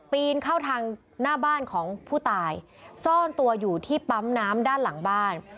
ปีนเข้าทางหน้าบ้านของผู้ตายซ่อนตัวอยู่ที่ปั๊มน้ำด้านหลังบ้าน